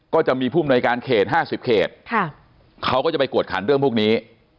ก็จะมีผู้มนวยการเขต๕๐เขตเขาก็จะไปกวดขันเรื่องพวกนี้